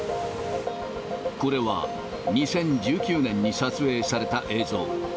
これは２０１９年に撮影された映像。